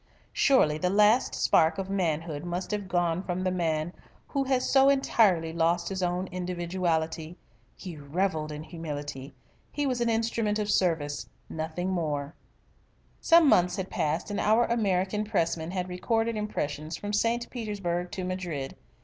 "Surely the last spark of manhood must have gone from the man who has so entirely lost his own individuality. He revelled in humility. He was an instrument of service nothing more." Some months had passed and our American Pressman had recorded impressions from St. Petersburg to Madrid.